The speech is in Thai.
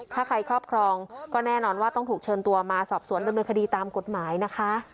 ถ้าใครครอบครองก็แน่นอนว่าต้องถูกเชิญตัวมาสอบสวนดำเนินคดีตามกฎหมายนะคะ